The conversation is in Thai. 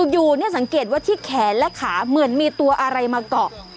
อยู่สังเกตว่าที่แขนและขาเหมือนมีตัวอะไรมาเกาะ